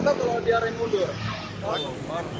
nggak tahu kalau dia remblong